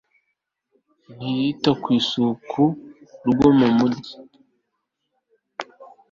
ntiyita ku rusaku rwo mu migi